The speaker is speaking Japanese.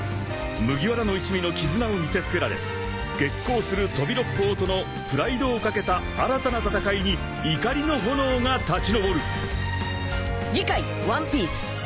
［麦わらの一味の絆を見せつけられ激高する飛び六胞とのプライドを懸けた新たな戦いに怒りの炎が立ち上る！］